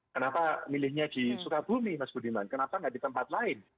kenapa milihnya di sukabumi mas budiman kenapa nggak di tempat lain